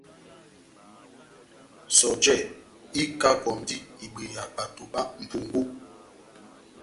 Sɔjɛ ikapɔndi ibweya bato bá mʼpungu.